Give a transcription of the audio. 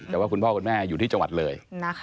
แต่ว่าคุณพ่อคุณแม่อยู่ที่จังหวัดเลย